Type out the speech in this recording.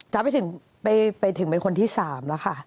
จำไปถึงเป็นคนที่สามแล้วค่ะ